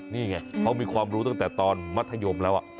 นี่ไงเขามีความรู้ตั้งแต่ตอนมัธยมแล้ว